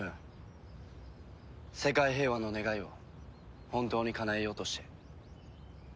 世界平和の願いを本当にかなえようとして。